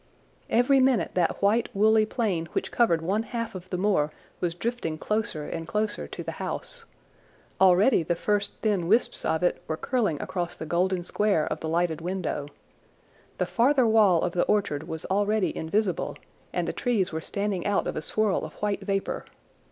Every minute that white woolly plain which covered one half of the moor was drifting closer and closer to the house. Already the first thin wisps of it were curling across the golden square of the lighted window. The farther wall of the orchard was already invisible, and the trees were standing out of a swirl of white vapour.